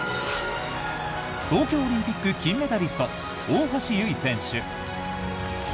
東京オリンピック金メダリスト大橋悠依選手。